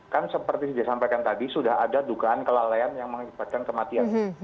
kan seperti sudah disampaikan tadi sudah ada dugaan kelalaian yang mengibatkan kematian